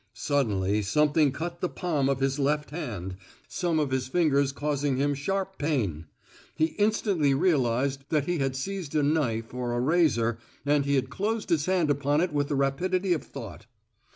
Suddenly something cut the palm of his left hand, some of his fingers causing him sharp pain. He instantly realized that he had seized a knife or a razor, and he closed his hand upon it with the rapidity of thought.